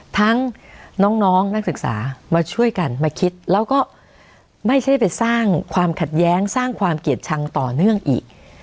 ทั้งน้องนักศึกษามาช่วยกันมาคิดแล้วก็ไม่ใช่ไปสร้างความขัดแย้งสร้างความเกลียดชังต่อเนื่องอีก